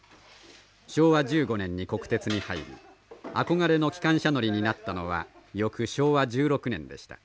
昭和１５年に国鉄に入り憧れの機関車乗りになったのは翌昭和１６年でした。